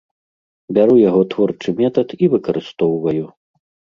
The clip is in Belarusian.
Бяру яго творчы метад і выкарыстоўваю.